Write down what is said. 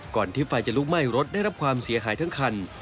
ที่ไฟจะลุกไหม้รถได้รับความเสียหายทั้งคัน